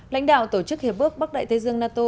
lãnh đạo tổ chức hiệp ước bắc đại thế giêng nato